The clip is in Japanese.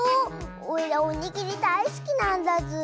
おいらおにぎりだいすきなんだズー。